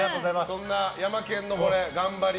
そんなヤマケンの頑張り